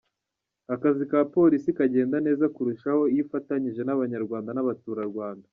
Akazi ka Polisi kagenda neza kurushaho iyo ifatanyije n’Abanyarwanda n’Abaturarwanda.